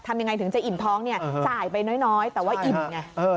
ทำยังไงถึงจะอิ่มท้องเนี่ยจ่ายไปน้อยแต่ว่าอิ่มไง